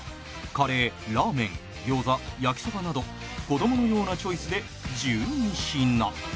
カレーラーメン餃子焼きそばなど子どものようなチョイスで１２品